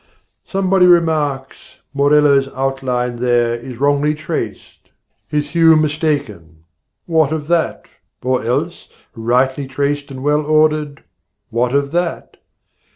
Somebody remarks Morello's outline there is wrongly traced, His hue mistaken; what of that? or else, Rightly traced and well ordered; what of that?